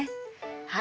はい。